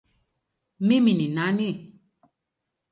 Mimi ni nani?